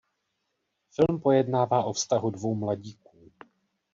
Film pojednává o vztahu dvou mladíků.